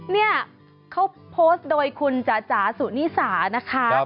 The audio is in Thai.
เนี่ยเขาโพสต์โดยคุณจ๋าจ๋าสุนิสานะคะ